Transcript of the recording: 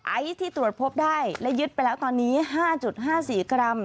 ไอซ์ที่ตรวจพบได้และยึดไปแล้วตอนนี้๕๕๔กรัม